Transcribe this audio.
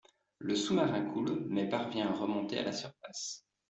Le sous-marin coule mais parvient à remonter à la surface.